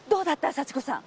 幸子さん。